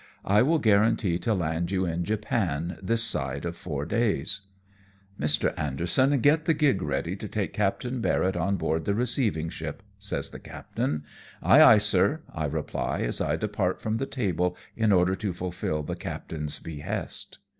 I will guarantee to land you in Japan this side of four days." " Mr. Anderson, get the gig ready to take Captain Barrett on board the receiving ship," says the captain. " Ay, ay, sir !" I reply, as I depart from the table in order to fulfil the captain's behest.